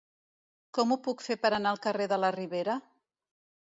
Com ho puc fer per anar al carrer de la Ribera?